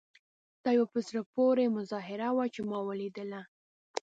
دا یوه په زړه پورې مظاهره وه چې ما ولیدله.